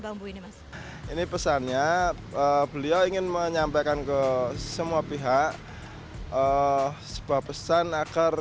bambu ini mas ini pesannya beliau ingin menyampaikan ke semua pihak sebab pesan agar